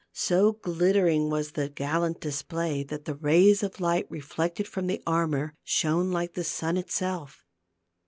So glittering was the gallant display that the rays of light reflected from the armor, shone like the sun itself.